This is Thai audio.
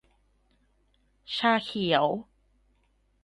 ชาเขียว